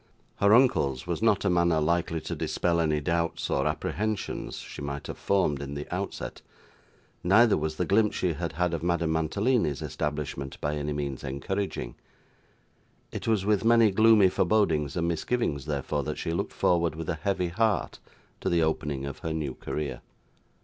Her uncle's was not a manner likely to dispel any doubts or apprehensions she might have formed, in the outset, neither was the glimpse she had had of Madame Mantalini's establishment by any means encouraging. It was with many gloomy forebodings and misgivings, therefore, that she looked forward, with a heavy heart, to the opening of her new career.